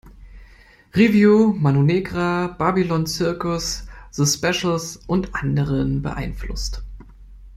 Review, Mano Negra, Babylon Circus, The Specials und anderen beeinflusst.